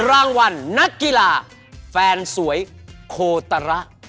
รางวัลนักกีฬาแฟนสวยโคตระ